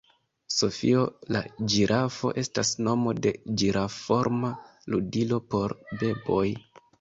Sofio la ĝirafo estas nomo de ĝiraf-forma ludilo por beboj.